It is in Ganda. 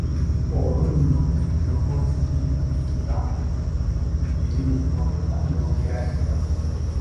Olwo nno ng'eddoboozi lya ennyimba eri mu mmotoka lyogera nnyo.